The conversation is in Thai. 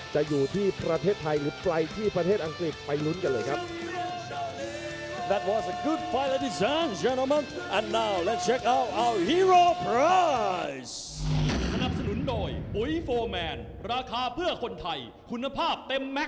จะอยู่ที่ประเทศไทยหรือไปที่ประเทศอังกฤษไปลุ้นกันเลยครับ